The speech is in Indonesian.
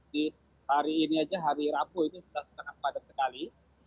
di hari ini saja hari rabu itu sudah sangat padat sekali